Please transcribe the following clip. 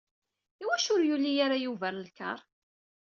Iwacu ur yuli-ara Yuba ar lkar.